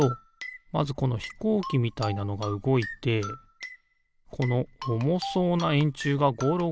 まずこのひこうきみたいなのがうごいてこのおもそうなえんちゅうがゴロゴロいくと。